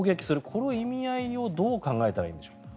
この意味合いをどう考えたらいいんでしょう。